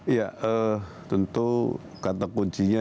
ya tentu kata kuncinya